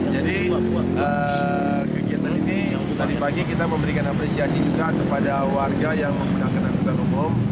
jadi kegiatan ini tadi pagi kita memberikan apresiasi juga kepada warga yang menggunakan anggota umum